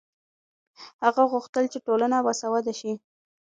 هغه غوښتل چې ټولنه باسواده شي.